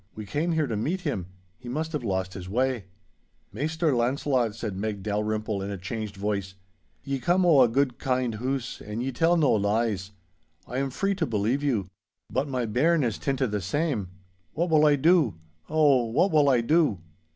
We came here to meet him. He must have lost his way.' 'Maister Launcelot,' said Meg Dalrymple, in a changed voice, 'ye come o' a guid, kind hoose, and ye tell no lies. I am free to believe you. But my bairn is tint a' the same. What will I do! Oh, what will I do?